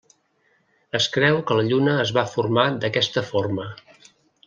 Es creu que la Lluna es va formar d'aquesta forma.